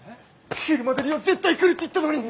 昼までには絶対来るって言ったのに。